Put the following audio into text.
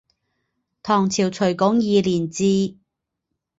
唐朝垂拱二年置。